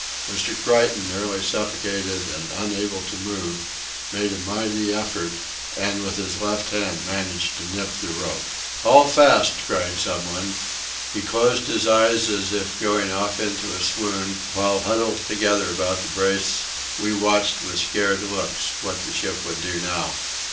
Mr. Creighton, nearly suffocated and unable to move, made a mighty effort, and with his left hand managed to nip the rope. "All fast!" cried some one. He closed his eyes as if going off into a swoon, while huddled together about the brace we watched with scared looks what the ship would do now.